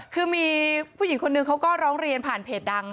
คือมีผู้หญิงคนนึงเขาก็ร้องเรียนผ่านเพจดัง